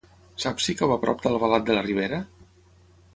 Saps si cau a prop d'Albalat de la Ribera?